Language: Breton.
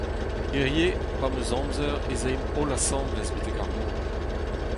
Hiziv pa’m eus amzer ez aimp holl asambles betek ar mor.